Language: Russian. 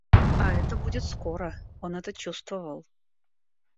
А это будет скоро, он это чувствовал.